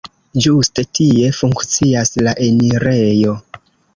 Ĝuste tie funkcias la enirejo.